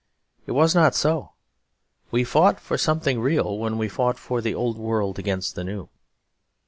It was not so: we fought for something real when we fought for the old world against the new.